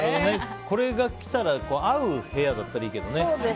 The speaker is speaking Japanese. これが合う部屋だったらいいけどね。